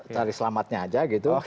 cari selamatnya saja